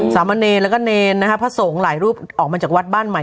สามเณรแล้วก็เนรนะฮะพระสงฆ์หลายรูปออกมาจากวัดบ้านใหม่